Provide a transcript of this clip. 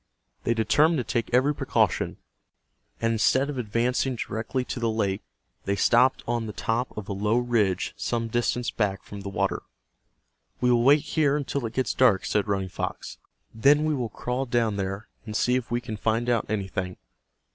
They determined to take every precaution, and instead of advancing directly to the lake they stopped on the top of a low ridge some distance back from the water. "We will wait here until it gets dark," said Running Fox. "Then we will crawl down there, and see if we can find out anything."